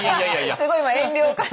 すごい今遠慮を感じた。